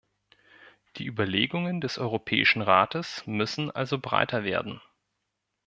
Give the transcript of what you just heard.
Die Überlegungen des Europäischen Rates müssen also breiter werden.